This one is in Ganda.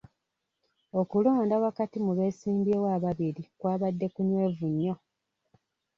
Okulonda wakati mu beesimbyewo ababiri kwabadde kunywevu nnyo.